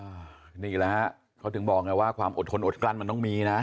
นี่แหละฮะเขาถึงบอกไงว่าความอดทนอดกลั้นมันต้องมีนะ